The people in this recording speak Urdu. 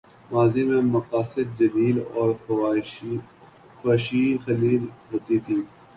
ماضی میں مقاصد جلیل اور خواہشیں قلیل ہوتی تھیں۔